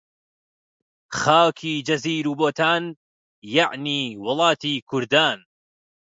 خاکی جزیر و بۆتان، یەعنی وڵاتی کوردان